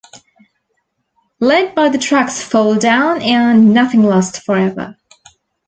Led by the tracks 'Fall Down' and 'Nothing Lasts Forever'.